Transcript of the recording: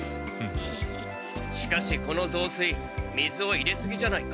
しかしこのぞうすい水を入れすぎじゃないか？